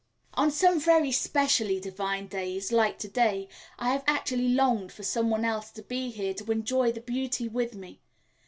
On some very specially divine days, like today, I have actually longed for some one else to be here to enjoy the beauty with me.